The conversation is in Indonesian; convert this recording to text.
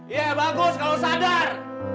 iya bagus kalau sadar